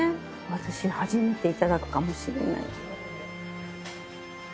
私初めていただくかもしれない。